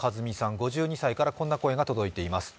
５２歳からこんな声が届いています。